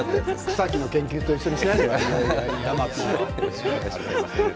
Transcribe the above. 草木の研究と一緒にしないでください。